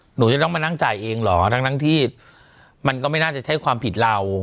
หนูจะต้องมานั่งจ่ายเองเหรอทั้งที่มันก็ไม่น่าจะใช้ความผิดเรา